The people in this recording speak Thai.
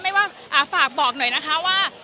ไม่ว่าฝากบอกหน่อยนะคะว่า